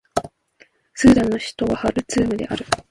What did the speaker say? スーダンの首都はハルツームである